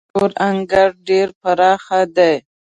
زموږ د کور انګړ ډير پراخه دی.